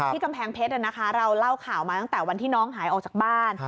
กำแพงเพชรเราเล่าข่าวมาตั้งแต่วันที่น้องหายออกจากบ้าน